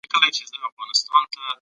دولت د پانګوالو لپاره قانوني چوکاټ جوړوي.